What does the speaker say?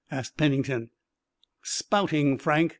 asked Pennington. "Spouting, Frank.